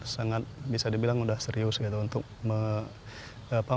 sangat bisa dibilang sudah serius gitu untuk memitigasi bencana itu